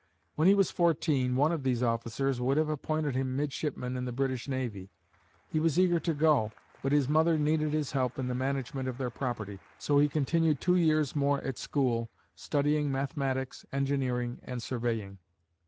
When he was fourteen, one of these officers would have appointed him midshipman in the British navy. He was eager to go, but his mother needed his help in the management of their property. So he continued two years more at school, studying mathematics, engineering and surveying.